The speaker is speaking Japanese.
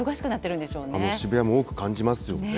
渋谷も多く感じますよね。